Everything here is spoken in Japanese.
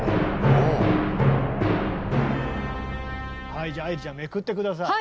はいじゃあ愛理ちゃんめくって下さい。